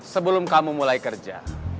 sebelum kamu mulai kerja